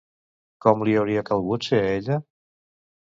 Com li hauria calgut ser a ella?